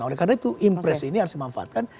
oleh karena itu impress ini harus dimanfaatkan